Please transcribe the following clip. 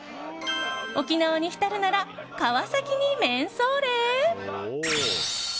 沖縄に浸るなら川崎にめんそーれ！